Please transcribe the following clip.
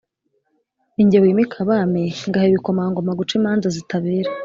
ni jye wimika abami, ngaha ibikomangoma guca imanza zitabera